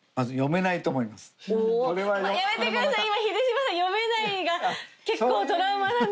やめてください今。